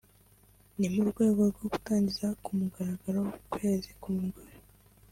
ni mu rwego rwo gutangiza ku mugaragaro ukwezi k’umugore